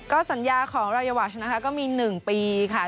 ก็สัญญาของระยะวาชก็มี๑ปีค่ะ